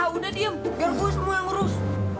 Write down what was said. udah diem biar gue semua yang urus